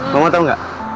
mama tau gak